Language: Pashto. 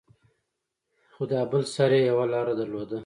خو دا بل سر يې يوه لاره درلوده.